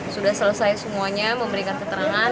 sudah selesai semuanya memberikan keterangan